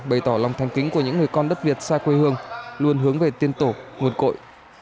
bày tỏ lòng thành kính của những người con đất việt xa quê hương luôn hướng về tiên tổ nguồn cội